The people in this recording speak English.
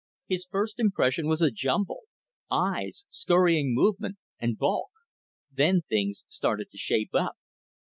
His first impression was a jumble eyes, scurrying movement, and bulk. Then things started to shape up.